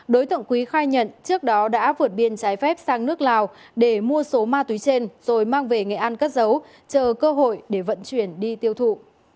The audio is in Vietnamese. đối tượng quý khai nhận trước đó đã vượt biên trái phép sang nước lào để mua số ma túy trên rồi mang về nghệ an cất giấu chờ cơ hội để vận chuyển đi tiêu thụ